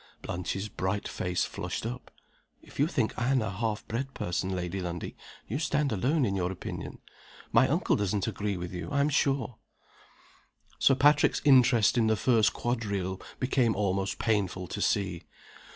Blanche's bright face flushed up. "If you think Anne a half bred person, Lady Lundie, you stand alone in your opinion. My uncle doesn't agree with you, I'm sure." Sir Patrick's interest in the first quadrille became almost painful to see.